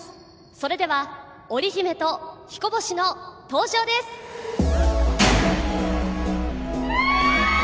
それでは織姫と彦星の登場ですキャーッ！